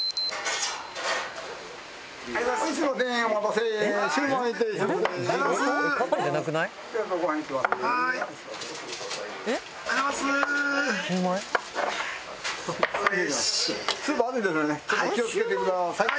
ちょっとお気をつけてください。